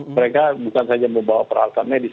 mereka bukan saja membawa peralatan medis